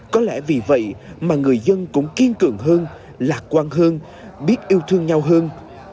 có lẽ vì vậy mà người dân cũng kiên cường hơn lạc quan hơn biết yêu thương nhau hơn